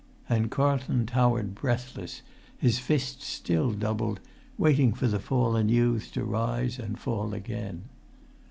And Carlton towered breathless, his fists still doubled, waiting for the fallen youths to rise and fall again.